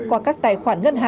qua các tài khoản ngân hàng